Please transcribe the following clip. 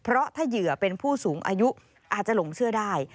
เพราะถ้าเหยื่อเป็นผู้สูงอายุอาจจะหลงเชื่อได้